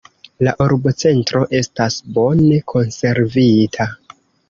La urbocentro estas bone konservita.